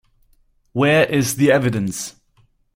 Where is the evidence?